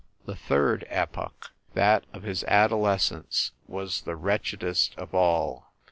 .... The third epoch, that of his adolescence, was the wretchedest of all.